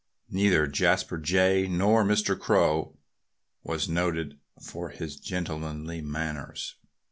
Neither Jasper Jay nor Mr. Crow was noted for his gentlemanly manners.